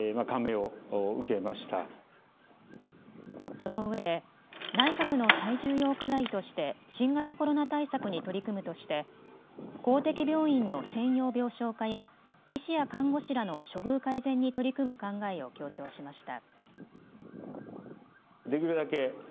そのうえで内閣の最重要課題として新型コロナ対策に取り組むとして公的病院の専用病床化や医師や看護師らの処遇改善に取り組む考えを強調しました。